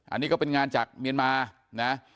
อันนี้ก็เป็นงานจากเมียนมานะ